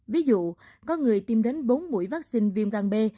ví dụ có người tiêm đến bốn mũi vaccine viêm gan b